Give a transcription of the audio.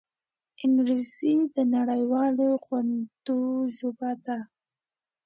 انګلیسي د نړيوالو غونډو ژبه ده